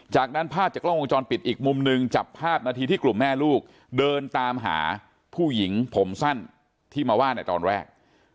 จากนั้นภาพจากกล้องวงจรปิดอีกมุมหนึ่งจับภาพนาทีที่กลุ่มแม่ลูกเดินตามหาผู้หญิงผมสั้นที่มาว่าในตอนแรก